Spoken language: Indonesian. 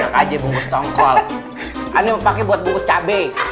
biar aja bungkus tongkol ini pake buat bungkus cabai